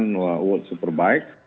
uang uang yang diperlukan